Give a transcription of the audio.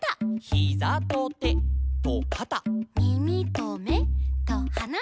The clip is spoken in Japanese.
「ヒザとてとかた」「みみとめとはな」